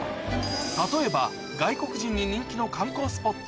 例えば外国人に人気の観光スポット